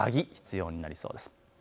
上着、必要になりそうです。